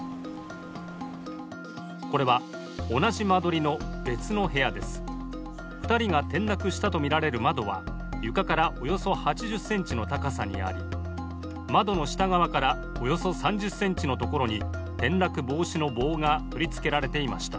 これは、同じ間取りの別の部屋です２人が転落したとみられる窓は床からおよそ８０ｃｍの高さにあり窓の下側からおよそ３０ｃｍのところに転落防止の棒が取り付けられていました。